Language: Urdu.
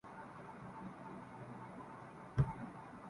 اپنے اعمال کی سزا ہے ظلم پہ خاموشی بھی ظلم ہے